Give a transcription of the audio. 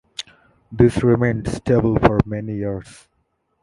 This remained stable for many years.